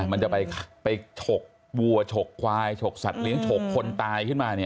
มันจะไปฉกวัวฉกควายฉกสัตว์เลี้ยฉกคนตายขึ้นมา